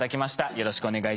よろしくお願いします。